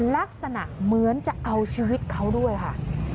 ลักษณะเหมือนจะเอาชีวิตเขาด้วยค่ะ